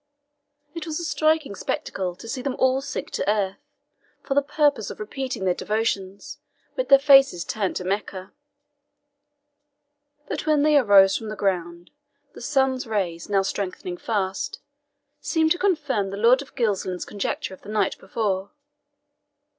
It was a striking spectacle to see them all sink to earth, for the purpose of repeating their devotions, with their faces turned to Mecca. But when they arose from the ground, the sun's rays, now strengthening fast, seemed to confirm the Lord of Gilsland's conjecture of the night before.